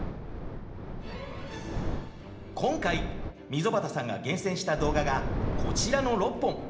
今回溝端さんが厳選した動画がこちらの６本。